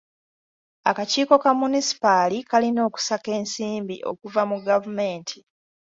Akakiiko ka munisipaali kalina okusaka ensimbi okuva mu gavumenti.